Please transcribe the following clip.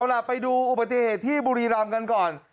เอาล่ะไปดูอุปเตยตแห่งบุรีรัมม์กันก่อน